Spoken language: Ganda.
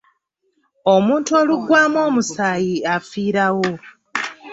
Omuntu oluggwamu omusaayi afiirawo.